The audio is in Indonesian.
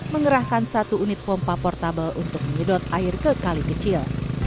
mengerahkan satu unit pompa portable untuk menyedot air ke kali kecil